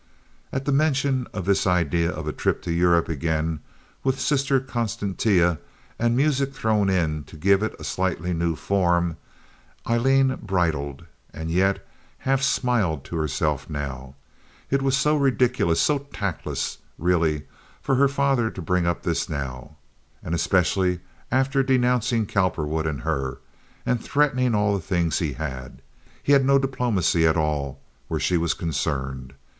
At the mention of this idea of a trip of Europe again, with Sister Constantia and music thrown in to give it a slightly new form, Aileen bridled, and yet half smiled to herself now. It was so ridiculous—so tactless, really, for her father to bring up this now, and especially after denouncing Cowperwood and her, and threatening all the things he had. Had he no diplomacy at all where she was concerned?